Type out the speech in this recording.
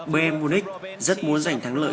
bm munich rất muốn giành thắng lợi